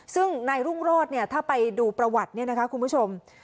ซึ่งในรุ่งรอดถ้าไปดูประวัตินี่นะคะคุณผู้ชม